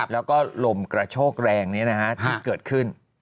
แล้วก็ลมกระโชกแรงที่เกิดขึ้น